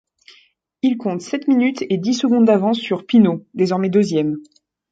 Il compte sept minutes et dix secondes d'avance sur Pinot, désormais deuxième.